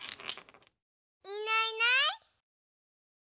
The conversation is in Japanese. いないいない。